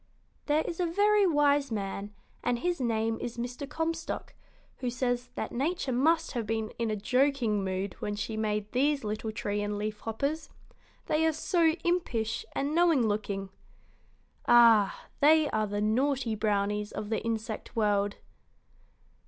"There is a very wise man, and his name is Mr. Comstock, who says that Nature must have been in a joking mood when she made these little tree and leaf hoppers, they are so impish and knowing looking. Ah, they are the naughty brownies of the insect world!"